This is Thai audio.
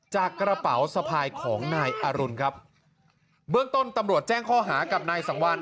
จากกระเป๋าสะพายของนายอรุณครับเบื้องต้นตำรวจแจ้งข้อหากับนายสังวัล